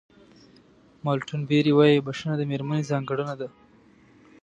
مالټون بېري وایي بښنه د مېرمنې ځانګړنه ده.